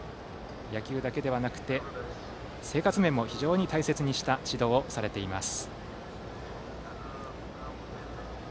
野球だけではなくて生活面も非常に大切にされた指導をしております。